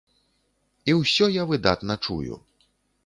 І ўсё я выдатна чую.